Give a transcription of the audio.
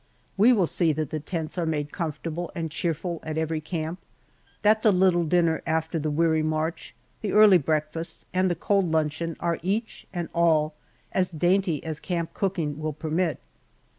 We will see that the tents are made comfortable and cheerful at every camp; that the little dinner after the weary march, the early breakfast, and the cold luncheon are each and all as dainty as camp cooking will permit.